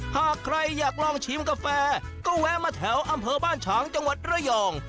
หากใครอยากลองชิมกาแฟก็แวะมาแถวอำเภอบ้านฉางจังหวัดระยอง